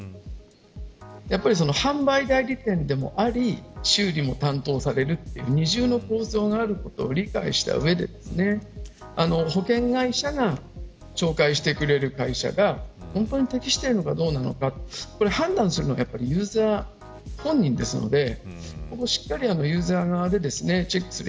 やっぱり販売代理店でもあり修理も担当されるという二重の構造があることを理解した上で保険会社が紹介してくれる会社が本当に適しているのかどうなのか判断するのはユーザー本人ですのでここをしっかりユーザー側でチェックする。